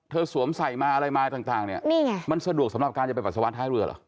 สวมใส่มาอะไรมาต่างเนี่ยนี่ไงมันสะดวกสำหรับการจะไปปัสสาวะท้ายเรือเหรอ